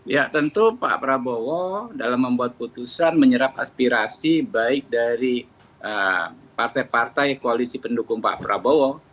ya tentu pak prabowo dalam membuat putusan menyerap aspirasi baik dari partai partai koalisi pendukung pak prabowo